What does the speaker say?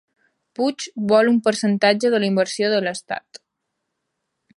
Puig vol un percentatge de la inversió de l'estat